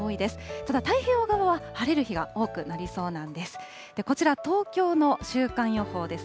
ただ、太平洋側は晴れる日が多くなりそうなんです。